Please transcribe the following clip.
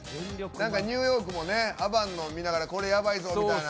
なんかニューヨークもね、アバンを見ながら、これ、やばいぞみたいな。